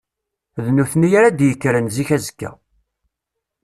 D nutni ara d-yekkren zik azekka.